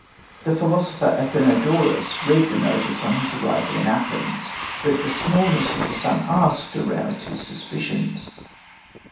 The philosopher Athenodorus read the notice on his arrival in Athens, but the smallness of the sum asked aroused his suspicions.